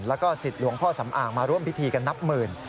แล้วก็สิทธิ์หลวงพ่อสำอางมาร่วมพิธีกันนับหมื่น